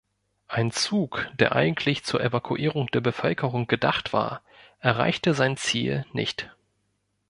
Ein Zug, der eigentlich zur Evakuierung der Bevölkerung gedacht war, erreichte sein Ziel nicht.